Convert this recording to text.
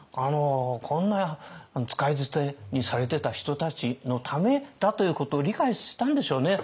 こんな使い捨てにされてた人たちのためだということを理解したんでしょうね。